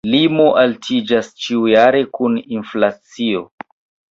La limo altiĝas ĉiujare kun inflacio.